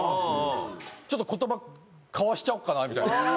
ちょっと言葉交わしちゃおっかなみたいな。